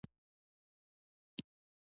د مسلمانانو لپاره بد وضعیت و